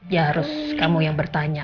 ya harus kamu yang bertanya